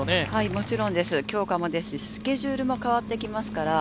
もちろん強化もですし、スケジュールも変わってきます。